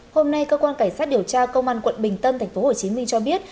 hôm nay cơ quan cảnh sát điều tra công an quận bình tân tp hcm cho biết